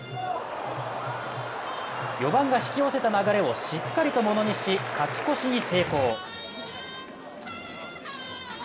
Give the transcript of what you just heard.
４番が引き寄せた流れをしっかりとものにし勝ち越しに成功。